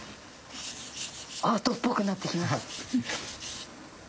アートっぽくなってきました。